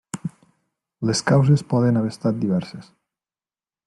Les causes poden haver estat diverses.